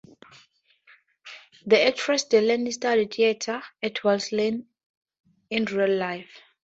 The actress Delany studied theater at Wesleyan in real life.